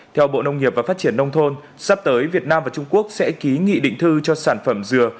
theo bộ nông nghiệp và phát triển nông thôn sắp tới việt nam và trung quốc sẽ ký nghị định thư cho sản phẩm dừa